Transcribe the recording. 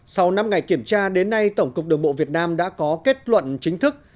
sau năm ngày kiểm tra đến nay tổng cục đường bộ việt nam đã có kết luận chính thức